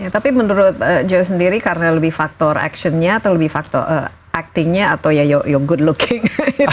tapi menurut joe sendiri karena lebih faktor action nya atau lebih faktor acting nya atau ya you're good looking